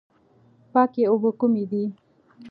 پاکې اوبه کومې دي؟